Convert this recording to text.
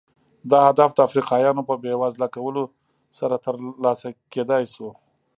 دا هدف د افریقایانو په بېوزله کولو سره ترلاسه کېدای شو.